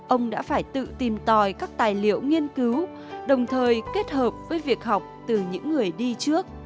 ông đã phải tự tìm tòi các tài liệu nghiên cứu đồng thời kết hợp với việc học từ những người đi trước